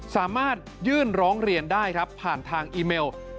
สามารถยื่นร้องเรียนได้ครับผ่านทางอีเมล